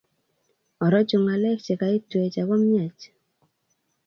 Orochu ngalek chekaitwech ako myach